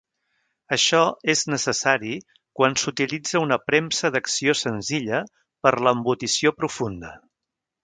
Això és necessari quan s'utilitza una premsa d'acció senzilla per l'embotició profunda.